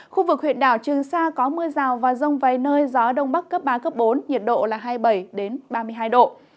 khu vực huyện đảo trường sa có mưa rào và rông vầy nơi gió đông bắc cấp ba bốn nhiệt độ hai mươi bảy ba mươi hai độ